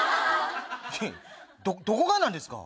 いやどこがなんですか？